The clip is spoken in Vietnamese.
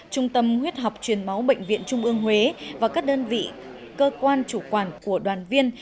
trung tâm huyết học truyền máu bệnh viện trung ương huế và các đơn vị cơ quan chủ quản của đoàn viên